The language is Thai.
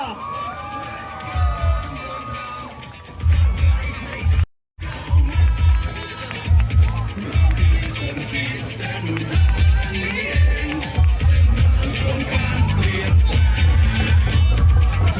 เราคือคนขีดเส้นทางนี้เองเส้นทางของการเปลี่ยนแปลก